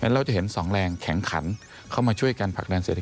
เราจะเห็นสองแรงแข็งขันเข้ามาช่วยกันผลักดันเศรษฐ